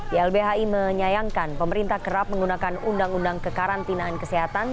ylbhi menyayangkan pemerintah kerap menggunakan undang undang kekarantinaan kesehatan